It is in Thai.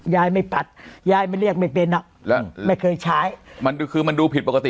ยายไม่ปัดยายไม่เรียกไม่เป็นหรอกไม่เคยใช้มันดูคือมันดูผิดปกติ